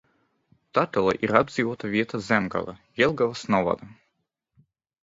Tetele ir apdzīvota vieta Zemgalē, Jelgavas novadā.